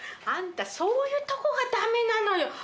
あんたそういうとこが駄目なのよ。